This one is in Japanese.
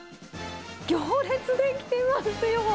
行列出来てますよ。